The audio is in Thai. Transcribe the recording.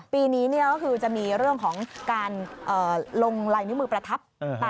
ปีนี้ก็คือจะมีเรื่องของการลงลายนิ้วมือประทับ